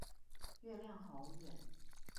月亮好遠